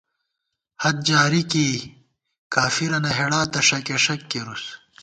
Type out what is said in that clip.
حد جاری کېئےکافِرَنہ ہېڑا تہ ݭَکېݭَک کېرُوس